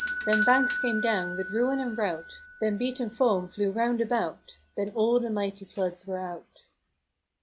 Then bankes came downe with ruin and rout — Then beaten foam flew round about — Then all the mighty floods were out.